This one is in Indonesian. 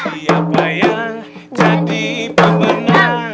siapa yang jadi pemenang